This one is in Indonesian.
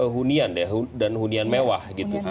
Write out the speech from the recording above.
hunian dan hunian mewah